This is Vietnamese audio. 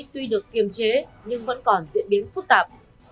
tuy được kiềm chế nhưng vẫn còn diễn biến phức tạp